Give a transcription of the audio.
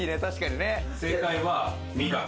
正解はみかん。